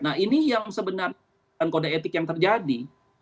nah ini yang sebenarnya bukan kode etik yang terjadi